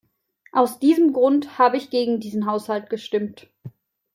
Aus diesem Grund habe ich gegen diesen Haushalt gestimmt.